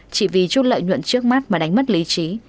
chỉ vì chút lợi nhuận trước mắt mà đánh mất lý trí